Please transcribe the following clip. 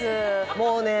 もうね